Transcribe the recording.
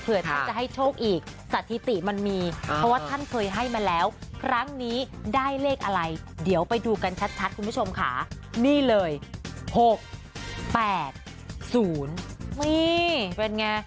เผื่อท่านจะให้โชคอีกสถิติมันมีเพราะว่าท่านเคยให้มาแล้ว